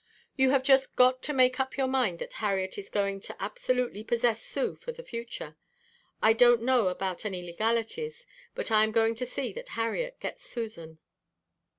"You have just got to make up your mind that Harriet is going to absolutely possess Sue for the future. I don't know about any legalities but I am going to see that Harriet gets Susan."